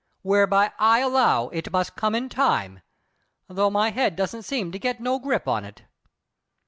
Whereby I allow it must come in time, though my head don't seem to get no grip on it."